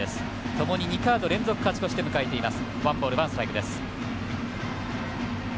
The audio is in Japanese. ともに２カード連続勝ち越しで迎えています。